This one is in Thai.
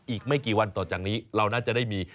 อีกไม่กี่วันต่อจากนี้เราน่าจะได้มี